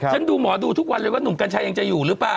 ดูหมอดูทุกวันเลยว่าหนุ่มกัญชัยยังจะอยู่หรือเปล่า